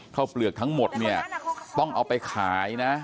เปลือกทั้งหมดเนี่ยต้องเอาไปขายนะ